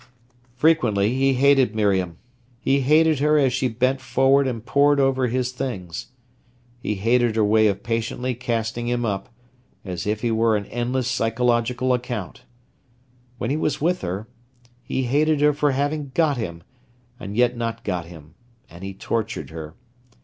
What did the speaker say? Frequently he hated Miriam. He hated her as she bent forward and pored over his things. He hated her way of patiently casting him up, as if he were an endless psychological account. When he was with her, he hated her for having got him, and yet not got him, and he tortured her.